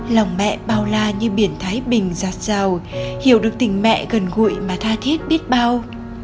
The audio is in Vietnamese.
lòng mẹ bao la như biển thái bình giặt rào hiểu được tình mẹ gần gụi mà tha thiết biết bao